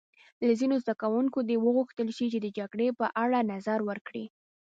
له ځینو زده کوونکو دې وغوښتل شي چې د جرګې په اړه نظر ورکړي.